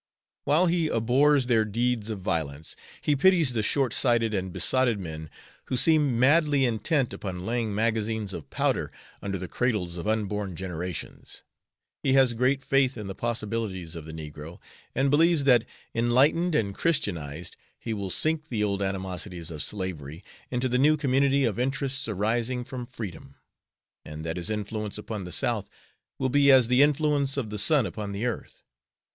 While he abhors their deeds of violence, he pities the short sighted and besotted men who seem madly intent upon laying magazines of powder under the cradles of unborn generations. He has great faith in the possibilities of the negro, and believes that, enlightened and Christianized, he will sink the old animosities of slavery into the new community of interests arising from freedom; and that his influence upon the South will be as the influence of the sun upon the earth.